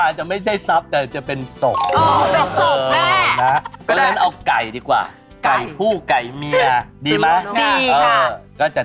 เราจะเอาไก่ดีกว่าไก่ผู้ไก่เมียดีมะ